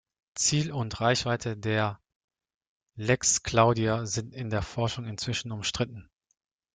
Ziel und Reichweite der "lex Claudia" sind in der Forschung inzwischen umstritten.